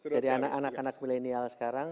jadi anak anak millennial sekarang